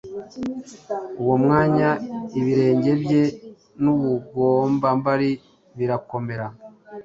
uwo mwanya ibirenge bye n’ubugombambari birakomera,